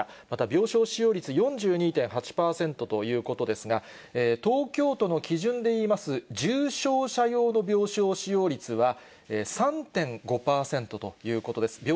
また病床使用率４２．８％ということですが、東京都の基準でいいます重症者用の病床使用率は３．５％ということです。